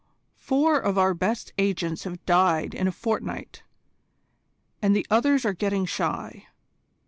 "Four of our best agents have died in a fortnight, and the others are getting shy.